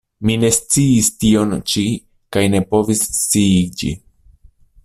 Mi ne sciis tion ĉi kaj ne povis sciiĝi.